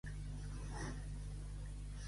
Si ets pobre, sempre seràs pobre.